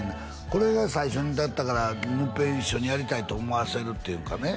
これが最初だったからもう一遍一緒にやりたいと思わせるっていうかね